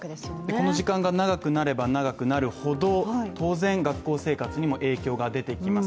この時間が長くなれば長くなるほど、当然学校生活に影響も出てきます。